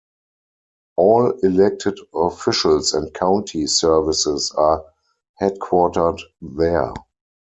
All elected officials and county services are headquartered there.